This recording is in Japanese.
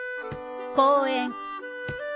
公園。